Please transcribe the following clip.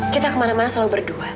kita kemana mana selalu berdua